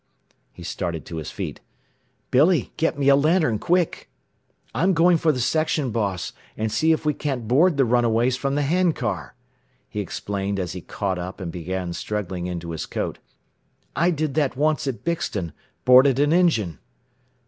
He started to his feet. "Billy, get me a lantern, quick! "I'm going for the section boss, and see if we can't board the runaways from the hand car," he explained as he caught up and began struggling into his coat. "I did that once at Bixton boarded an engine."